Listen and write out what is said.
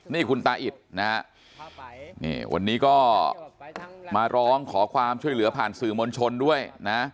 นี่คุณตาอิดนะฮะนี่วันนี้ก็มาร้องขอความช่วยเหลือผ่านสื่อมวลชนด้วยนะ